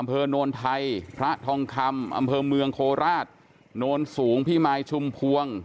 อำเภอโนนไทยพระทองคำอำเภอเมืองโคราชโนนสูงพี่มายชุมพวง